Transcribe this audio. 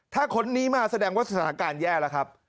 ถ้าคนนี้มาแสดงว่าสถานการณ์แย่แล้วครับ